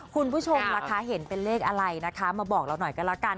คุณผู้ชมล่ะคะเห็นเป็นเลขอะไรนะคะมาบอกเราหน่อยก็แล้วกัน